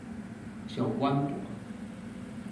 上滿盤